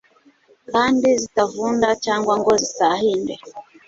kandi zitavunda cyangwa ngo zisahinde